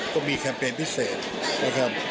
ก็มีแคมเปญพิเศษนะครับ